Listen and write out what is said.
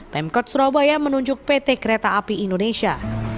pemkot surabaya menunjuk pt kereta api indonesia